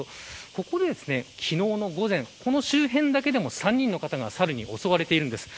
ここで、昨日の午前この周辺だけでも３人の方がサルに襲われているんです。